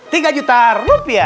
tiga juta rupiah